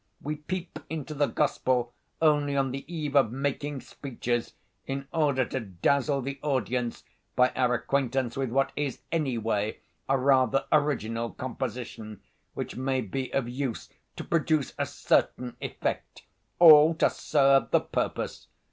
We peep into the Gospel only on the eve of making speeches, in order to dazzle the audience by our acquaintance with what is, anyway, a rather original composition, which may be of use to produce a certain effect—all to serve the purpose!